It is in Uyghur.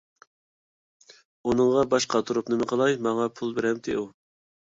ئۇنىڭغا باش قاتۇرۇپ نېمە قىلاي، ماڭا پۇل بېرەمتى ئۇ!